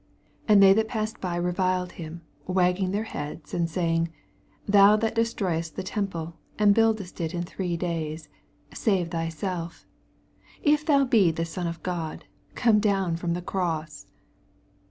89 And they that passed by reviled him, wagffing their heads. 40 And saying, Thou that destroy est the temple, and buildest U in three days, save thyself. If thou be the Son of God, come down from the crose.